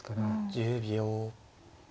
１０秒。